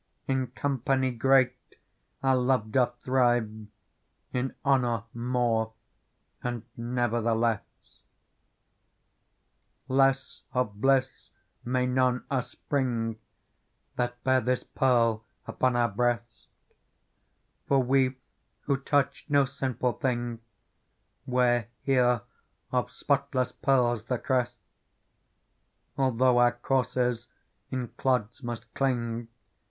In company great ourToveHoththrive, In honour more and never the less. Digitized by Google PEARL 37 " Less of bliss may none us bring, That bear this pearl upon our breast f For we who touched no §infullbing Wear Tiere of spotless pearls the crest : Although our corses in clods must cling.